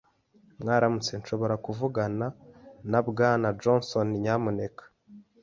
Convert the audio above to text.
Mwaramutse. Nshobora kuvugana na Bwana Johnson, nyamuneka?